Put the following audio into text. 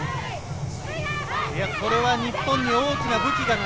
これは日本に大きな武器が加